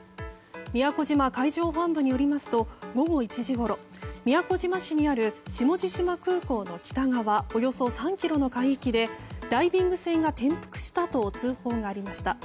宮古島海上保安部によりますと午後１時ごろ宮古島市にある下地島空港の北側およそ３ｋｍの海域でダイビング船が転覆したと通報がありました。